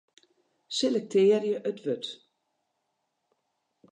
Selektearje it wurd.